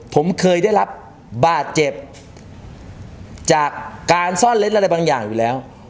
ผมเคยได้รับบาดเจ็บจากการซ่อนเล็ดอะไรบางอย่างอยู่แล้ว